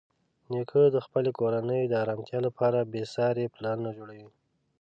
نیکه د خپلې کورنۍ د ارامتیا لپاره بېساري پلانونه جوړوي.